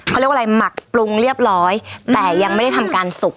เขาเรียกว่าอะไรหมักปรุงเรียบร้อยแต่ยังไม่ได้ทำการสุก